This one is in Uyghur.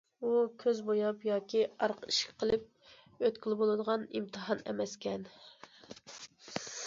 ئۇ، كۆز بوياپ ياكى ئارقا ئىشىك قىلىپ ئۆتكىلى بولىدىغان ئىمتىھان ئەمەسكەن.